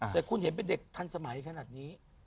แต่คุณเห็นเป็นเด็กทันสมัยขนาดนี้